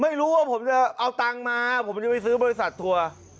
ไม่รู้ว่าผมจะเอาตังค์มาผมจะไปซื้อบริษัททัวร์